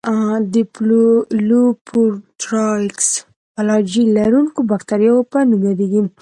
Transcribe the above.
د لوفوټرایکس فلاجیل لرونکو باکتریاوو په نوم یادیږي.